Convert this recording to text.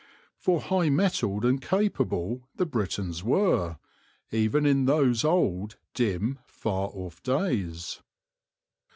For high mettled and capable the Britons were, even in those old; dim, far off days.